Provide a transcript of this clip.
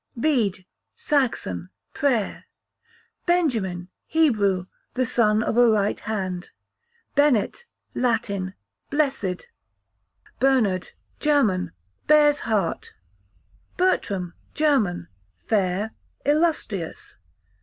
Bede, Saxon, prayer. Benjamin, Hebrew, the son of a right hand. Bennet, Latin, blessed. Bernard, German, bear's heart. Bertram, German, fair, illustrious.